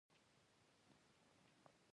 منډه د کارونو سرعت زیاتوي